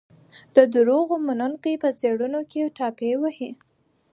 د دروغو منونکي په څېړونکو ټاپې وهي.